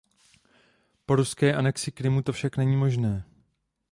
Po ruské anexi Krymu to však není možné.